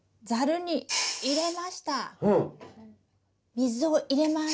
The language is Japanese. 水を入れます。